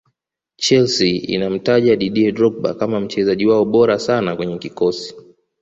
chelsea inamtaja didier drogba kama mchezaji wao bora sana kwenye kikosi